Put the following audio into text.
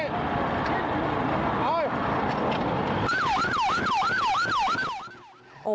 ลงมานี่